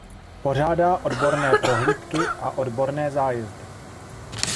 Pořádá odborné prohlídky a odborné zájezdy.